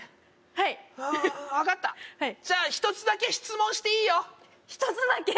はいああ分かったじゃあ１つだけ質問していいよ１つだけ？